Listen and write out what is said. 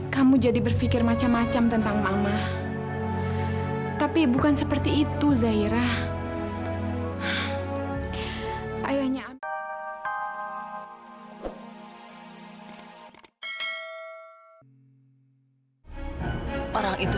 dan aku bener bener sakit hati